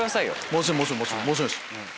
もちろんです。